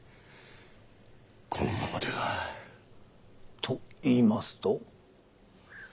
このままでは。といいますと？